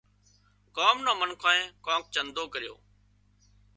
ڳام نان منکانئين ڪانڪ چندو ڪريو